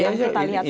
yang kita lihat tadi